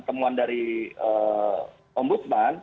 temuan dari ombudsman